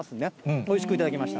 おいしく頂きました。